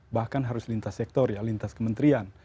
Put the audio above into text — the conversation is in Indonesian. bahkan harus lintas sektor ya lintas kementerian